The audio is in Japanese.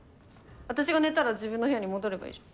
私が寝たら自分の部屋に戻ればいいじゃん。